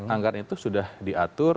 anggaran itu sudah diatur